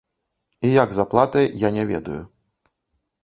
І як з аплатай, я не ведаю.